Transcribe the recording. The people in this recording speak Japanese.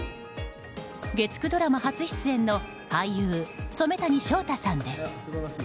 月９ドラマ初出演の俳優・染谷将太さんです。